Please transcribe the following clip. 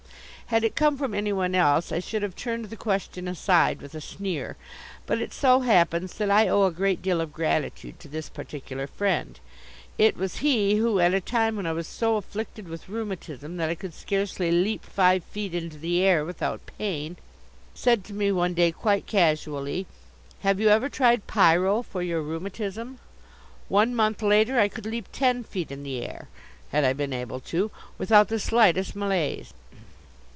Had it come from anyone else, I should have turned the question aside with a sneer. But it so happens that I owe a great deal of gratitude to this particular Friend. It was he who, at a time when I was so afflicted with rheumatism that I could scarcely leap five feet into the air without pain, said to me one day quite casually: "Have you ever tried pyro for your rheumatism?" One month later I could leap ten feet in the air had I been able to without the slightest malaise.